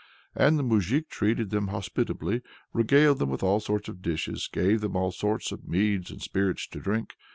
And the moujik treated them hospitably, regaled them with all sorts of dishes, gave them all sorts of meads and spirits to drink.